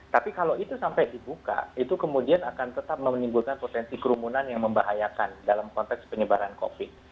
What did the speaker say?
tapi kalau itu sampai dibuka itu kemudian akan tetap menimbulkan potensi kerumunan yang membahayakan dalam konteks penyebaran covid